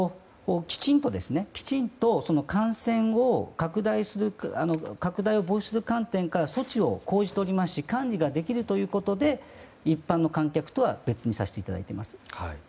きちんと感染拡大防止する観点から措置を講じておりますし管理ができるということで一般の観客とは別にさせていただいています。